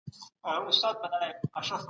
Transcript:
موږ د خپل ځان په مینځلو مصروفه یو.